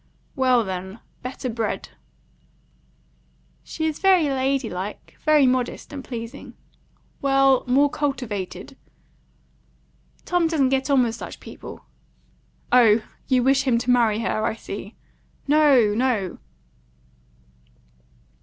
"Well, then, better bred." "She is very lady like, very modest, and pleasing." "Well, more cultivated." "Tom doesn't get on with such people." "Oh, you wish him to marry her, I see." "No, no."